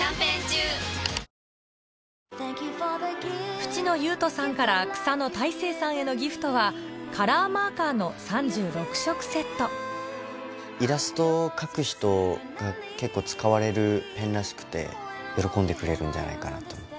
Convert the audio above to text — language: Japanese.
渕野右登さんから草野大成さんへのギフトはカラーマーカーの３６色セットイラストを描く人が結構使われるペンらしくて喜んでくれるんじゃないかなと思って。